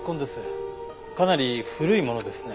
かなり古いものですね。